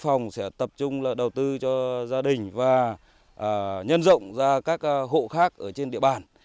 phòng sẽ tập trung đầu tư cho gia đình và nhân rộng ra các hộ khác ở trên địa bàn